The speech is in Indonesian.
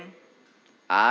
adil dan baik